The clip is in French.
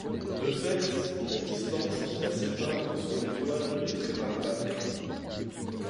De fait, la distance qui la sépare de son étoile est très variable.